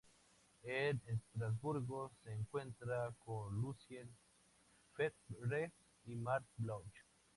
En Estrasburgo, se encuentra con Lucien Febvre y Marc Bloch.